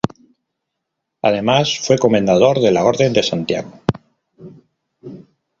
Además fue Comendador de la Orden de Santiago.